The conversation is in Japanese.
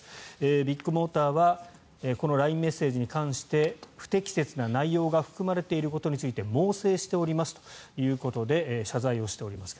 ビッグモーターはこのＬＩＮＥメッセージに関して不適切な内容が含まれていることについて猛省しておりますということで謝罪をしております。